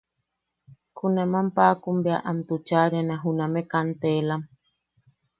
Junaman paʼakun bea am tuchaariana juname kanteelam.